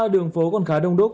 đường phố còn khá đông đúc